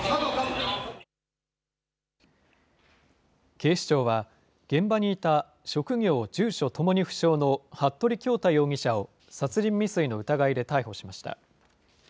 警視庁は、現場にいた職業、住所ともに不詳の服部恭太容疑者を殺人未遂の疑いで逮捕しました。